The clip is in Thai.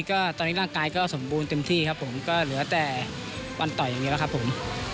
ก็ตอนนี้ร่างกายก็สมบูรณ์เต็มที่ครับผมก็เหลือแต่วันต่อยอย่างนี้แล้วครับผม